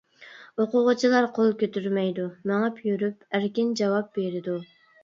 ئوقۇغۇچىلار قول كۆتۈرمەيدۇ، مېڭىپ يۈرۈپ، ئەركىن جاۋاب بېرىدۇ.